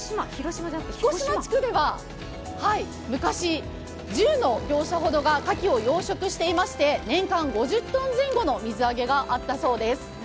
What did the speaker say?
彦島地区では昔、１０の業者が牡蠣を養殖していまして年間５０ｔ前後の水揚げがあったそうです。